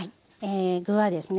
具はですね